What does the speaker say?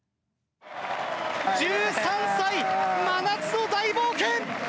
１３歳、真夏の大冒険。